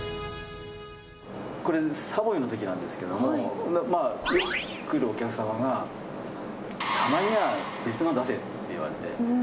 これＳＡＶＯＹの時なんですけどよく来るお客様がたまには別の出せって言われて。